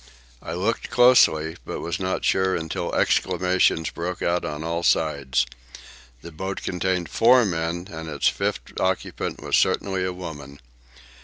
I looked closely, but was not sure until exclamations broke out on all sides. The boat contained four men, and its fifth occupant was certainly a woman.